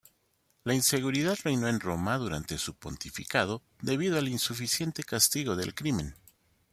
La inseguridad reinó en Roma durante su pontificado debido al insuficiente castigo del crimen.